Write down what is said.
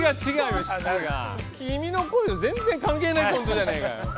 「君の声」と全然関係ないコントじゃねえかよ。